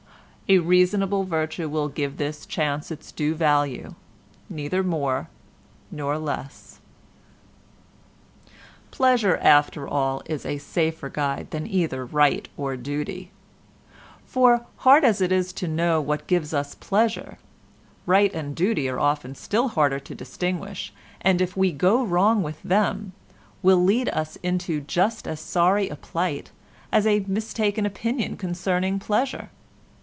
A reasonable virtue will give this chance its due value, neither more nor less. Pleasure, after all, is a safer guide than either right or duty. For hard as it is to know what gives us pleasure, right and duty are often still harder to distinguish and, if we go wrong with them, will lead us into just as sorry a plight as a mistaken opinion concerning pleasure.